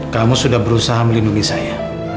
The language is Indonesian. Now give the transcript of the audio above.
kamu sudah berusaha melindungi saya